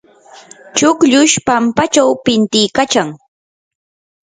chukllush pampachaw pintiykachan.